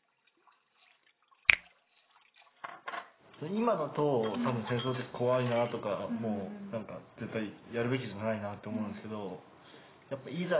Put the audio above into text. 今だと多分戦争って怖いなとか絶対やるべきじゃないなって思うんですけどいざ